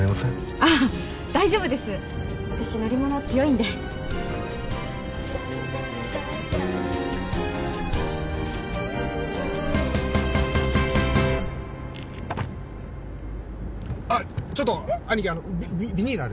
ああ大丈夫です私乗り物強いんであっちょっと兄貴ビニールある？